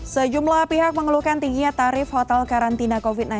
sejumlah pihak mengeluhkan tingginya tarif hotel karantina covid sembilan belas